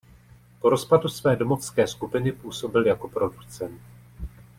Po rozpadu své domovské skupiny působil jako producent.